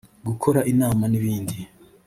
gukora inama n’ibindi